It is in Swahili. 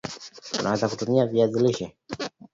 UNawezaje kutumia viazi lishe